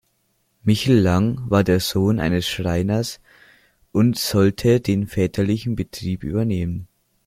Michl Lang war der Sohn eines Schreiners und sollte den väterlichen Betrieb übernehmen.